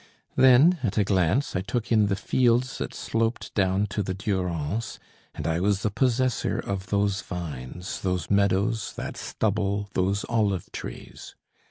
Then, at a glance, I took in the fields that sloped down to the Durance, and I was the possessor of those vines, those meadows, that stubble, those olive trees.